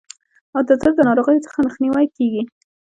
او د زړه د ناروغیو څخه مخنیوی کیږي.